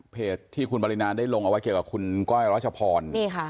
เพจที่คุณบารินามันได้ลงเอาว่าเกี่ยวกับกดแล้วคุณก้อยรัชพร